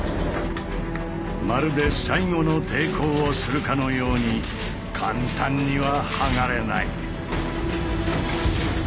まるで最後の抵抗をするかのように簡単には剥がれない。